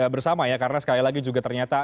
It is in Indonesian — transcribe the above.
bersama ya karena sekali lagi juga ternyata